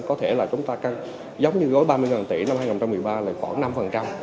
có thể là chúng ta cân giống như gối ba mươi tỷ năm hai nghìn một mươi ba là khoảng năm